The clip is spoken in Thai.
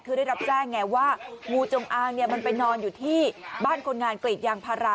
คือได้รับแจ้งไงว่างูจงอางมันไปนอนอยู่ที่บ้านคนงานกรีดยางพารา